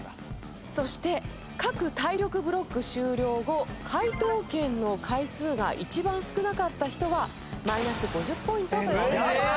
そして各体力ブロック終了後解答権の回数が一番少なかった人はマイナス５０ポイントとなっております。